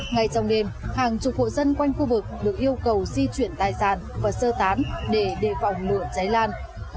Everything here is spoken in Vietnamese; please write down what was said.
ngay trong đêm hàng chục hộ dân quanh khu vực được yêu cầu di chuyển tài sản và sơ tán để đề phòng lửa cháy lan